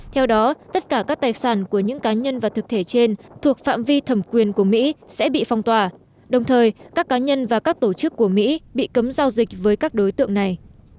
theo đó tất cả các tài sản của những cá nhân và thực thể trên thuộc phạm vi thẩm quyền của mỹ sẽ bị phong tỏa đồng thời các cá nhân và các tổ chức của mỹ bị cấm giao dịch với các đối tượng này